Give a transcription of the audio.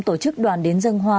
tổ chức đoàn đến dân hoa